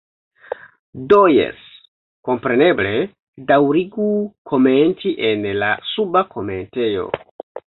Do jes, kompreneble, daŭrigu komenti en la suba komentejo.